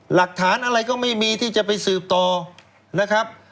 หลักฐานอะไรก็ไม่มีที่จะไปสืบต่อนะครับ